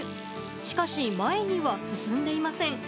しかし、前には進んでいません。